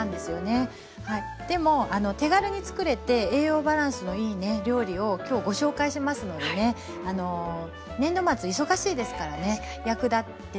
でも手軽に作れて栄養バランスのいい料理を今日ご紹介しますのでね年度末忙しいですからね役立てて頂きたいと思ってます。